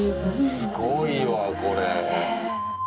「すごいわこれ」